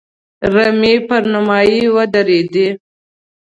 رمې په نيمايي ودرېدې.